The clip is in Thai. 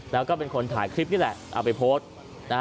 แล้วก็เป็นคนถ่ายคลิปนี่แหละเอาไปโพสต์นะฮะ